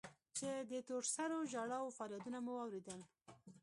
چې د تور سرو ژړا و فريادونه مو واورېدل.